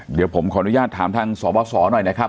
เดี๋ยวผมขออนุญาตถามทางสบสหน่อยนะครับ